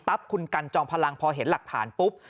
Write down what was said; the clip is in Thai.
คุณกันจอมพลังพอเห็นหลักฐานปุ๊บ